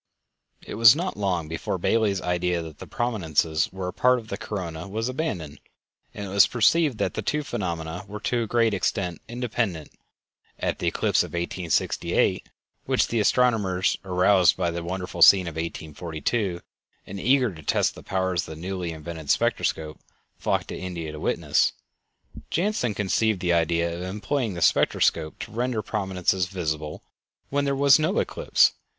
It was not long before Bailey's idea that the prominences were a part of the corona was abandoned, and it was perceived that the two phenomena were to a great extent independent. At the eclipse of 1868, which the astronomers, aroused by the wonderful scene of 1842, and eager to test the powers of the newly invented spectroscope, flocked to India to witness, Janssen conceived the idea of employing the spectroscope to render the prominences visible when there was no eclipse.